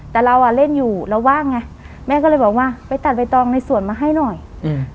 แต่เราอ่ะเล่นอยู่เราว่างไงแม่ก็เลยบอกว่าไปตัดใบตองในสวนมาให้หน่อยอืม